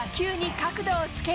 角度をつける。